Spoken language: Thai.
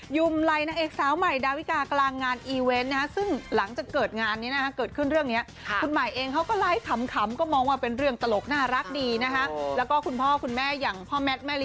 หยุ่มไหลนักเอกสาวใหม่ดาวิกากลางงานอีเวนต์นะครับ